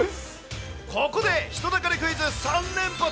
ここで、人だかりクイズ３連発。